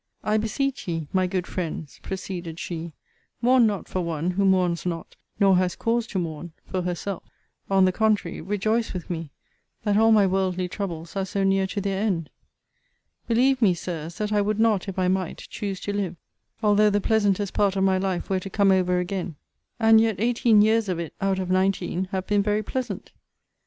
I beseech ye, my good friends, proceeded she, mourn not for one who mourns not, nor has cause to mourn, for herself. On the contrary, rejoice with me, that all my worldly troubles are so near to their end. Believe me, Sirs, that I would not, if I might, choose to live, although the pleasantest part of my life were to come over again: and yet eighteen years of it, out of nineteen, have been very pleasant.